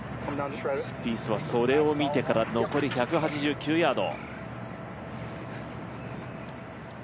スピースはそれを見てから残り１８９ヤード。